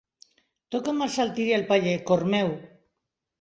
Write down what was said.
Toca'm el saltiri al paller, cor meu.